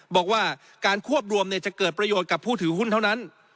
บอกว่าการควบรวมจะเกิดประโยชน์กับผู้ถือหุ้นเท่านั้น